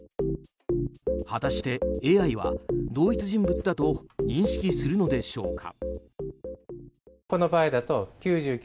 果たしてＡＩは同一人物だと認識するのでしょうか。